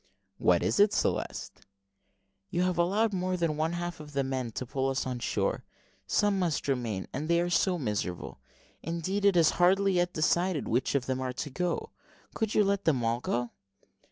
"What is it, Celeste?" "You have allowed more than one half of the men to pull us on shore; some must remain, and they are so miserable indeed it is hardly yet decided which of them are to go. Could you let them all go?"